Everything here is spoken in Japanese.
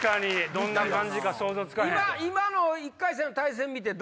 どんな感じか想像つかへん。